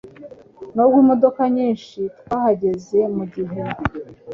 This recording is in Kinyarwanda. Nubwo imodoka nyinshi, twahageze ku gihe.